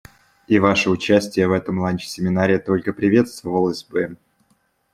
И ваше участие в этом ланч-семинаре только приветствовалось бы.